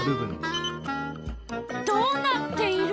どうなっている？